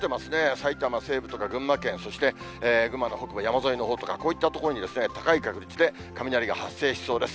さいたま西部とか群馬県、そして、群馬の北部、山沿いのほうとか、こういった所に高い確率で雷が発生しそうです。